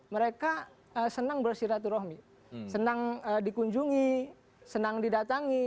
mereka senang bersirat rohmi senang dikunjungi senang didatangi